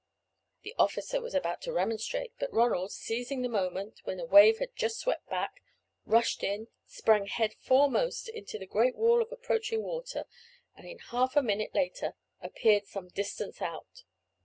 The officer was about to remonstrate, but Ronald, seizing the moment when a wave had just swept back, rushed in, sprang head foremost into the great wall of approaching water, and in half a minute later appeared some distance out.